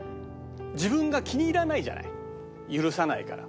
自分が気に入らないじゃない許さないから。